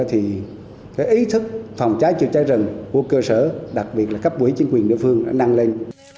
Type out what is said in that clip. thì cái ý thức phòng cháy chữa cháy rừng của cơ sở đặc biệt là cấp quỹ chính quyền địa phương đã năng lên